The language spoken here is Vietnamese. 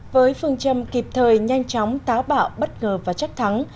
với phương châm kịp thời nhanh chóng táo bạo bất ngờ và chắc thắng